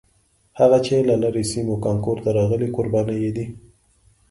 هغه چې له لرې سیمو کانکور ته راغلي کوربانه یې دي.